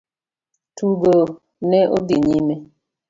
Tugo ne odhi nyime.